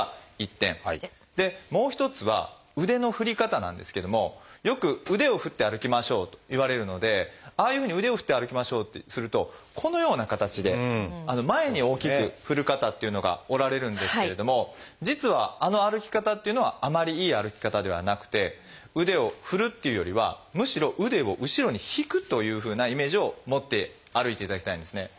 もう一つは腕の振り方なんですけどもよく腕を振って歩きましょうと言われるのでああいうふうに腕を振って歩きましょうってするとこのような形で前に大きく振る方っていうのがおられるんですけれども実はあの歩き方っていうのはあまりいい歩き方ではなくて腕を振るというよりはむしろ腕を後ろに引くというふうなイメージを持って歩いていただきたいんですね。